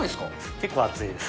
結構熱いです。